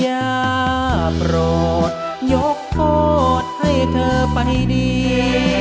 อย่าโปรดยกโทษให้เธอไปดี